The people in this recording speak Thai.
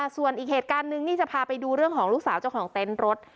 ส่วนอีกเหตุการณ์นึงนี่จะพาไปดูเรื่องของลูกสาวเจ้าของเต็นต์รถ